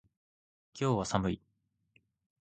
今日は寒い。